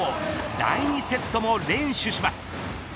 第２セットも連取します。